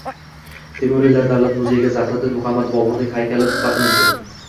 Temuriylar davlat muzeyiga Zahiriddin Muhammad Boburning haykali tuhfa qilindi